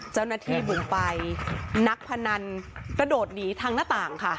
เจ้าหน้าที่บุกไปนักพนันกระโดดหนีทางหน้าต่างค่ะ